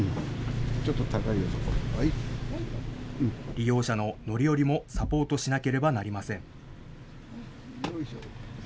利用者の乗り降りもサポートしなければなりません。